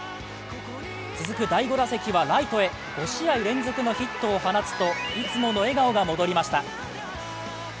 続く第５打席はライトへ５試合連続のヒットを放つといつもの笑顔が戻りました。